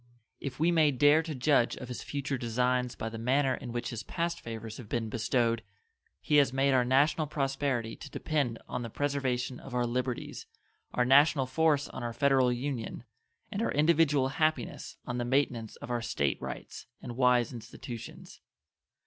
If we may dare to judge of His future designs by the manner in which His past favors have been bestowed, He has made our national prosperity to depend on the preservation of our liberties, our national force on our Federal Union, and our individual happiness on the maintenance of our State rights and wise institutions.